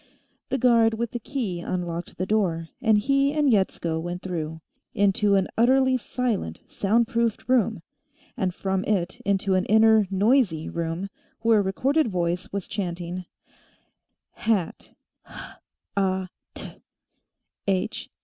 The guard with the key unlocked the door, and he and Yetsko went through, into an utterly silent sound proofed room, and from it into an inner, noisy, room, where a recorded voice was chanting: "Hat _huh ah tuh.